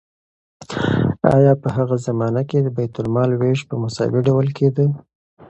آیا په هغه زمانه کې د بیت المال ویش په مساوي ډول کیده؟